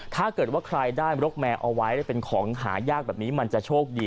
ถ้าเกิดว่าใครได้มรกแมวเอาไว้เป็นของหายากแบบนี้มันจะโชคดี